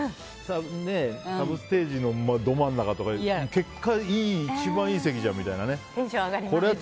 サブステージのど真ん中とかで結果、一番いい席じゃんみたいな。